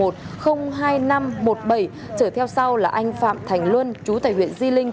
trở theo sau là anh phạm thành luân chú tại huyện di linh